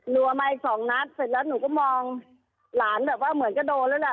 รวมมาอีกสองนัดเสร็จแล้วหนูก็มองหลานแบบว่าเหมือนก็โดนแล้วแหละ